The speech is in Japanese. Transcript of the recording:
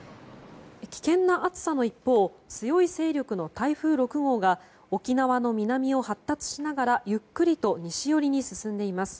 危険な暑さの一方強い勢力の台風６号が沖縄の南を発達しながらゆっくりと西寄りに進んでいます。